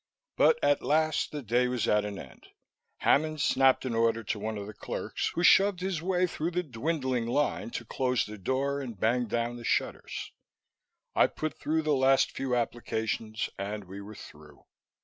But at last the day was at an end. Hammond snapped an order to one of the clerks, who shoved his way through the dwindling line to close the door and bang down the shutters. I put through the last few applications, and we were through.